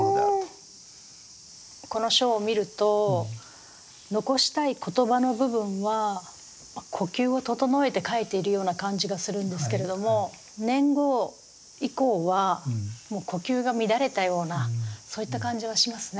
この書を見ると残したい言葉の部分は呼吸を整えて書いているような感じがするんですけれども年号以降はもう呼吸が乱れたようなそういった感じがしますね。